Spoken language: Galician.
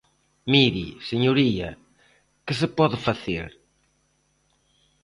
Mire, señoría, ¿que se pode facer?